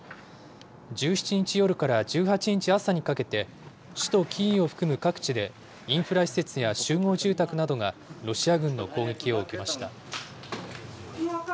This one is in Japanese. １７日夜から１８日朝にかけて、首都キーウを含む各地で、インフラ施設や集合住宅などがロシア軍の攻撃を受けました。